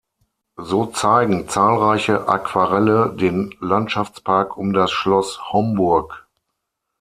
So zeigen zahlreiche Aquarelle den Landschaftspark um das Schloss Homburg.